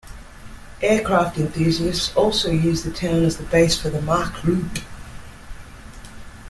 Aircraft enthusiasts also use the town as the base for the Mach Loop.